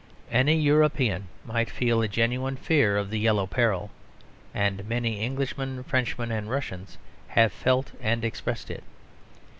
Any European might feel a genuine fear of the Yellow Peril; and many Englishmen, Frenchmen, and Russians have felt and expressed it.